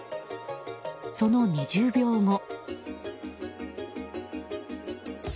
その２０秒後。